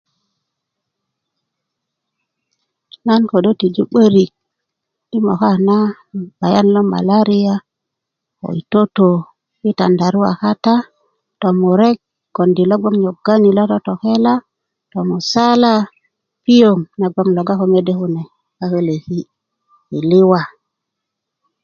nan kodo tiju 'börik i moka ko malaria i toto i tandaruwa kata to murek gondi lo gboŋ nyonani lo totokela to musala piöŋ nagon loga ko mede kune a koloki i liwa